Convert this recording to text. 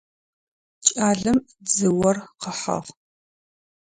Кӏалэм дзыор къыхьыгъ.